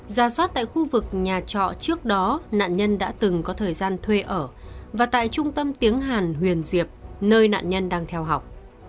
ra soát tại khu vực nhà trọ trước đó nạn nhân đã từng có thời gian thuê ở và tại trung tâm tiếng hàn huyền diệp nơi nạn nhân đang theo học